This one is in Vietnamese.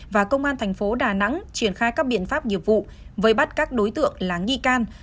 và công an thành phố đà nẵng triển khai các biện pháp nghiệp vụ với bắt các đối tượng là nghi can